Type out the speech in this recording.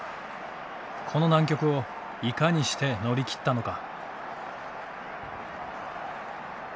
この難局をいかにして乗り切ったのか。